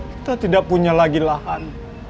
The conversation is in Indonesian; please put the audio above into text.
kita tidak punya lagi lahan